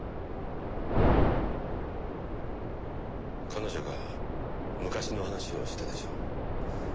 彼女が昔の話をしたでしょう？